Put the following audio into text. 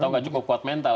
atau gak cukup kuat mental